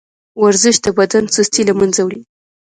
ورزش د بدن سستي له منځه وړي.